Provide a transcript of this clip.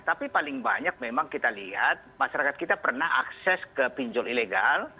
tapi paling banyak memang kita lihat masyarakat kita pernah akses ke pinjol ilegal